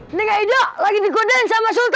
dengerin gak aida lagi digoden sama sultan